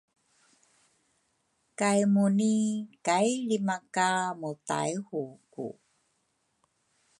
kay Muni kai lrimakamuTaihuku.